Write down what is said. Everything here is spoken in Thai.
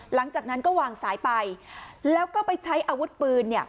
หลังจากนั้นก็วางสายไปแล้วก็ไปใช้อาวุธปืนเนี่ย